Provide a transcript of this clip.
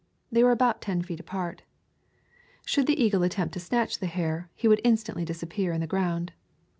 They were about ten feet apart. Should the eagle attempt to snatch the hare, he would instantly disappear in the ground.